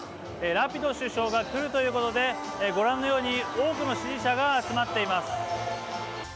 ラピド首相が来るということでご覧のように多くの支持者が集まっています。